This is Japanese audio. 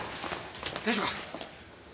大丈夫か？